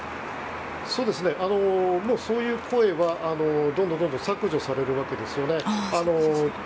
そういう声はどんどん削除されるわけですよね。